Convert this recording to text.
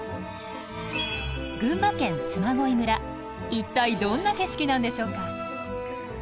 一体どんな景色なんでしょうか？